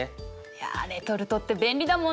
いやレトルトって便利だもんな。